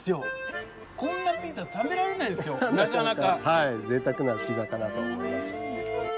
はいぜいたくなピザかなと思います。